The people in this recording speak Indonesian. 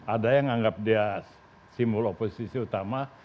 ada yang anggap dia simbol oposisi utama